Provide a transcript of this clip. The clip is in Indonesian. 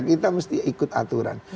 kita mesti ikut aturan